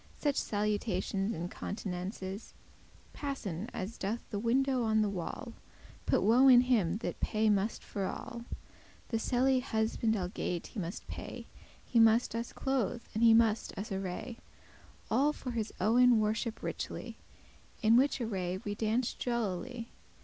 Such salutations and countenances Passen, as doth the shadow on the wall; Put woe is him that paye must for all. The sely* husband algate he must pay, *innocent always He must us <2> clothe and he must us array All for his owen worship richely: In which array we dance jollily.